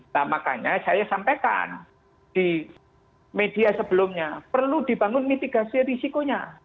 nah makanya saya sampaikan di media sebelumnya perlu dibangun mitigasi risikonya